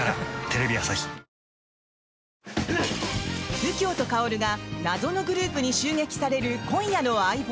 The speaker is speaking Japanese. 右京と薫が謎のグループに襲撃される今夜の「相棒」。